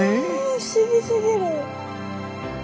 不思議すぎる。